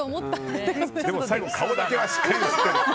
でも最後、顔だけはしっかりと。